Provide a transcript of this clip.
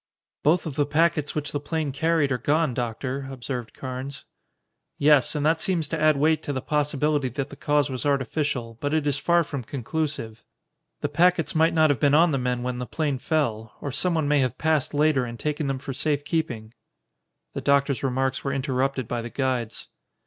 "Both of the packets which the plane carried are gone, Doctor," observed Carnes. "Yes, and that seems to add weight to the possibility that the cause was artificial, but it is far from conclusive. The packets might not have been on the men when the plane fell, or someone may have passed later and taken them for safekeeping." The doctor's remarks were interrupted by the guides.